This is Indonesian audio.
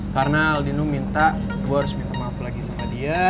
karena aldino minta gue harus minta maaf lagi sama dia